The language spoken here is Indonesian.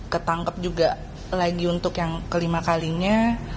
ketangkep juga lagi untuk yang kelima kalinya